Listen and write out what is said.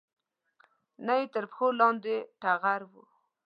نه یې تر پښو لاندې ټغر و